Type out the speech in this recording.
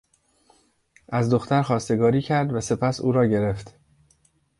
از دختر خواستگاری کرد و سپس او را گرفت.